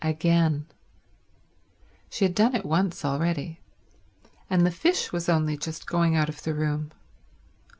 Again. She had done it once already, and the fish was only just going out of the room.